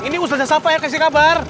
ini ustadzah syafa yang kasih kabar